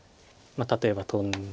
例えばトンで。